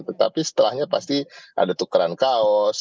tetapi setelahnya pasti ada tukaran kaos